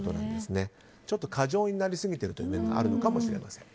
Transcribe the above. ちょっと過剰になりすぎている面もあるのかもしれません。